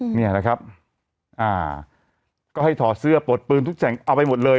เนี่ยนะครับอ่าก็ให้ถอดเสื้อปลดปืนทุกแสงเอาไปหมดเลย